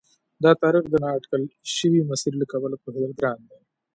د تاریخ د نا اټکل شوي مسیر له کبله پوهېدل ګران دي.